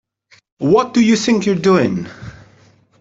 What do you think you're doing?